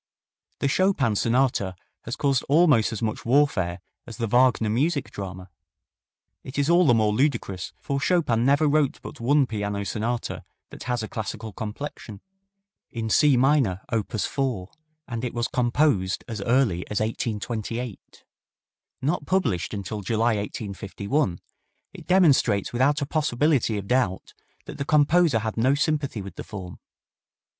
The Chopin sonata has caused almost as much warfare as the Wagner music drama. It is all the more ludicrous, for Chopin never wrote but one piano sonata that has a classical complexion: in C minor, op. 4, and it was composed as early as 1828. Not published until July, 1851, it demonstrates without a possibility of doubt that the composer had no sympathy with the form.